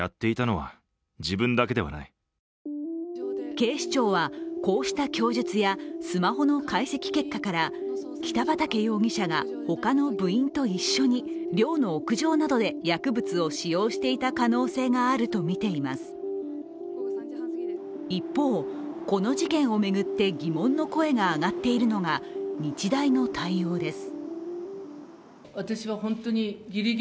警視庁はこうした供述やスマホの解析結果から北畠容疑者が他の部員と一緒に寮の屋上などで薬物を使用していた可能性があるとみています一方、この事件を巡って疑問の声が上がっているのが日大の対応です。